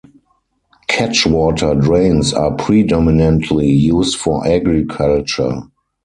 Catchwater drains are predominately used for agriculture.